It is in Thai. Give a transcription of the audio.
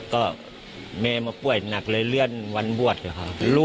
ก็แม่มาป่วยหนักเลยเลื่อนวันบวชค่ะ